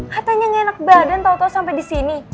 katanya gak enak badan tau tau sampe disini